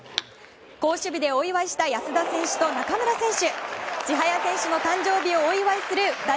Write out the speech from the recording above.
好守備でお祝いした安田選手と中村選手。